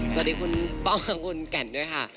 สวัสดีคุณป้องกับคุณแก่นด้วยค่ะ